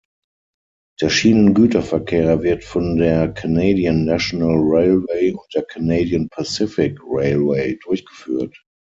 Der Schienengüterverkehr wird von der Canadian National Railway und der Canadian Pacific Railway durchgeführt.